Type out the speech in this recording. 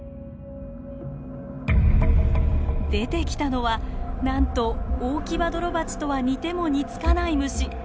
出てきたのはなんとオオキバドロバチとは似ても似つかない虫。